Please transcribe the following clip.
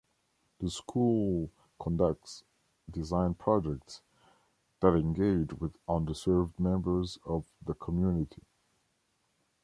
The school conducts design projects that engage with under-served members of the community.